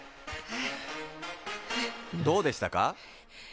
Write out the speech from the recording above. どうでしたか？